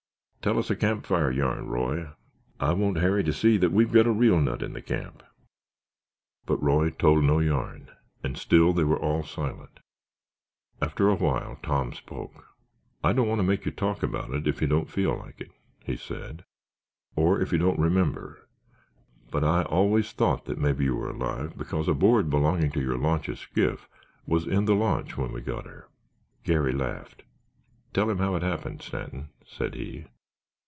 Tell us a camp fire yarn, Roy, I want Harry to see that we've got a real 'nut' in the camp." But Roy told no yarn, and still they were all silent. After a while, Tom spoke. "I don't want to make you talk about it, if you don't feel like it," he said, "or if you don't remember, but I always thought that maybe you were alive because a board belonging to your launch's skiff was in the launch when we got her." Garry laughed. "Tell him how it happened, Stanton," said he.